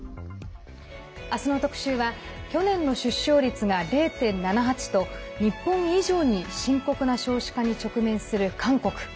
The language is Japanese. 明日の特集は去年の出生率が０．７８と日本以上に深刻な少子化に直面する韓国。